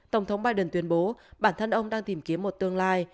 tổng thống biden tuyên bố bản thân ông đang tìm kiếm một tương lai